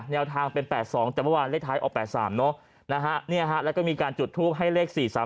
แนวทางเป็น๘๒แต่เมื่อวานเลขท้ายออก๘๓เนอะนะฮะแล้วก็มีการจุดทูปให้เลข๔๓